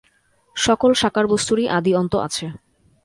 সকল সাকার বস্তুরই আদি অন্ত আছে।